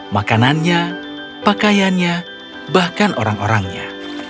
makanannya pakaiannya bahkan orang orangnya